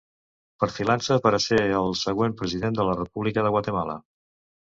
Perfilant-se per a ser el següent president de la República de Guatemala.